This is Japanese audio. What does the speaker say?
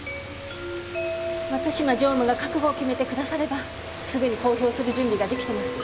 松島常務が覚悟を決めてくださればすぐに公表する準備が出来てます。